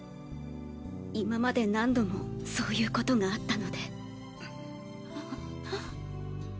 今まで何度もそういう事があったので。